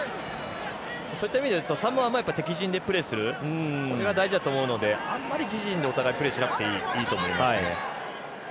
そういった意味で言うとサモアも敵陣でプレーするこれが大事だと思うのであんまり自陣でお互いプレーしなくていいと思いますね。